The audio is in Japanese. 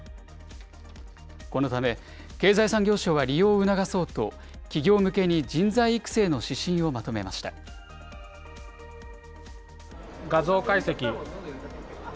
このため、経済産業省は利用を促そうと、企業向けに人材育成の指画像解析。